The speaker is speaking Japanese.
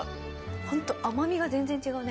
ホント甘みが全然違うね・